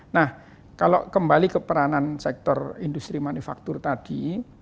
nah kalau kembali ke peranan sektor industri manufaktur tadi